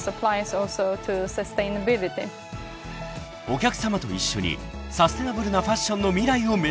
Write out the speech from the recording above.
［お客さまと一緒にサステナブルなファッションの未来を目指す］